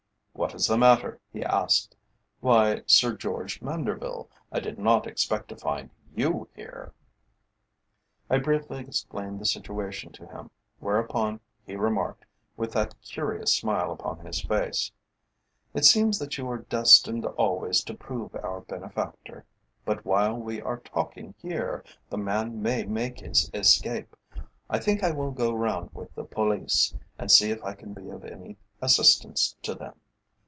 "What is the matter?" he asked. "Why, Sir George Manderville, I did not expect to find you here!" I briefly explained the situation to him, whereupon he remarked, with that curious smile upon his face: "It seems that you are destined always to prove our benefactor. But while we are talking here the man may make his escape. I think I will go round with the police, and see if I can be of any assistance to them."